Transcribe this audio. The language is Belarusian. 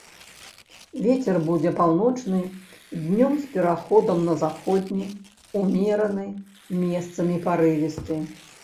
Вецер будзе паўночны, днём з пераходам на заходні, умераны, месцамі парывісты.